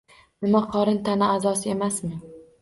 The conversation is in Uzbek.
Nima qorin tana a'zosi emasmi?